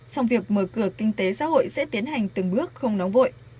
song việc mở cửa kinh tế xã hội sẽ tiến hành từng bước không nóng vội